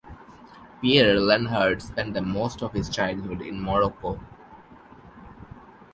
Pierre Lenhardt spend most of his childhood in Morocco.